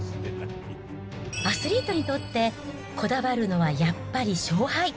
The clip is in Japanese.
アスリートにとって、こだわるのはやっぱり勝敗。